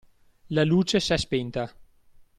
La luce s'è spenta.